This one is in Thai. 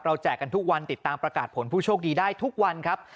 แจกกันทุกวันติดตามประกาศผลผู้โชคดีได้ทุกวันครับ